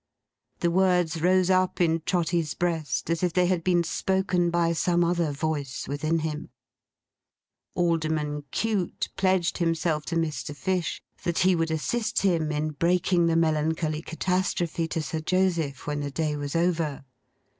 The words rose up in Trotty's breast, as if they had been spoken by some other voice within him. Alderman Cute pledged himself to Mr. Fish that he would assist him in breaking the melancholy catastrophe to Sir Joseph when the day was over.